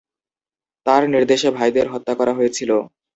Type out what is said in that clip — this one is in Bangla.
তার নির্দেশে ভাইদের হত্যা করা হয়েছিল।